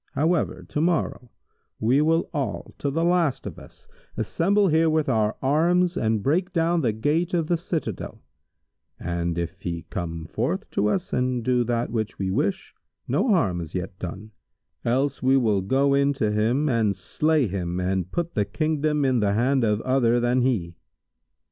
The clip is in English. However, to morrow, we will all, to the last of us, assemble here with our arms and break down the gate of the citadel[FN#153]; and if he come forth to us and do that which we wish, no harm is yet done[FN#154]; else we will go in to him and slay him and put the Kingdom in the hand of other than he."